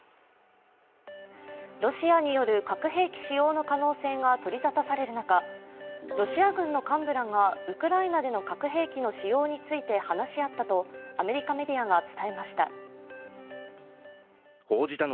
ロシアによる核兵器使用の可能性が取り沙汰される中、ロシア軍の幹部らがウクライナでの核兵器に使用について話し合ったとアメリカメディアが伝えました。